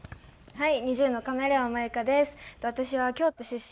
はい。